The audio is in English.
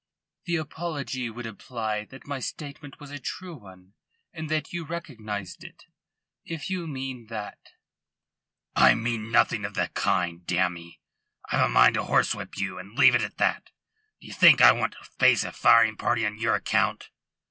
"The apology would imply that my statement was a true one and that you recognised it. If you mean that " "I mean nothing of the kind. Damme! I've a mind to horsewhip you, and leave it at that. D' ye think I want to face a firing party on your account?"